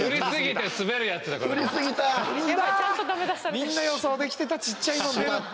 みんな予想できてたちっちゃいの出るって。